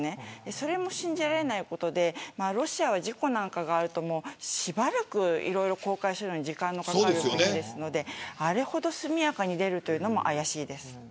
それも信じられないことでロシアは事故なんかがあるとしばらく公開するのに時間がかかるの国ですのであれほど速やかに出るというのもあやしいです。